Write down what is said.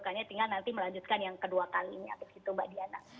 makanya tinggal nanti melanjutkan yang kedua kalinya begitu mbak diana